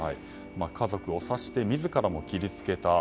家族を刺して自らも傷つけた。